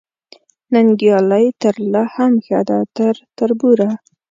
ننګیالۍ ترله هم ښه ده تر تربوره